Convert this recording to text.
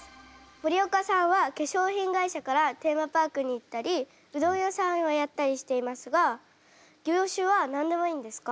森岡さんは化粧品会社からテーマパークに行ったりうどん屋さんをやったりしていますが業種は何でもいいんですか？